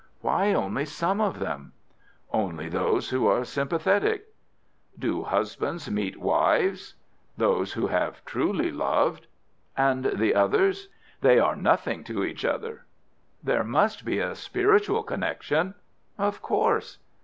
"Why only some of them?" "Only those who are sympathetic." "Do husbands meet wives?" "Those who have truly loved." "And the others?" "They are nothing to each other." "There must be a spiritual connection?" "Of course."